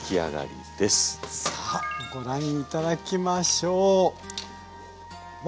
さあご覧頂きましょう。